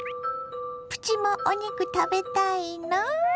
プチもお肉食べたいの？